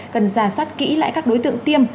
cần ra soát kỹ lại các đối tượng tiêm